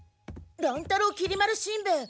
乱太郎きり丸しんべヱ